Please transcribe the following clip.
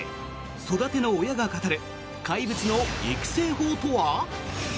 育ての親が語る怪物の育成法とは。